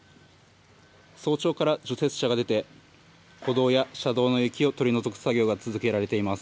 早朝から除雪車が出て、歩道や車道の雪を取り除く作業が続けられています。